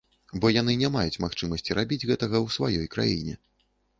Бо яны не маюць магчымасці рабіць гэтага ў сваёй краіне.